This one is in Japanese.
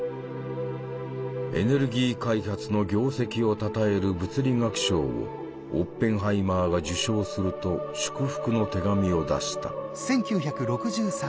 エネルギー開発の業績をたたえる物理学賞をオッペンハイマーが受賞すると祝福の手紙を出した。